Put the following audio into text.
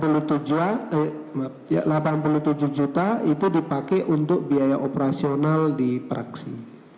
rp delapan puluh tujuh juta itu dipakai untuk biaya operasional di praksi